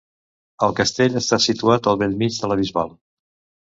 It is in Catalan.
El castell està situat al bell mig de la Bisbal.